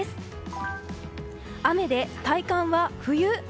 雨で体感は冬。